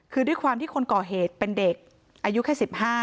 คือด้วยความที่คนก่อเหตุเป็นเด็กอายุแค่๑๕